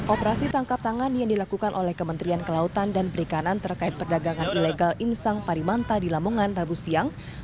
operasi tangkap tangan yang dilakukan oleh kementerian kelautan dan perikanan terkait perdagangan ilegal insang parimanta di lamongan rabu siang